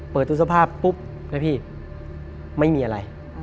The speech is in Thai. เปิดตู้เสื้อผ้าปุ๊บเลยพี่ไม่มีอะไร